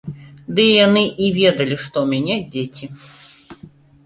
Ды яны і ведалі, што ў мяне дзеці.